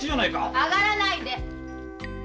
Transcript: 上がらないで！